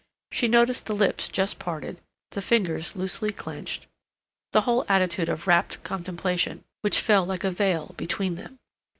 She noticed the lips just parted, the fingers loosely clenched, the whole attitude of rapt contemplation, which fell like a veil between them.